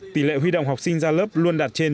tỉ lệ huy động học sinh ra lớp luôn đạt trên chín mươi năm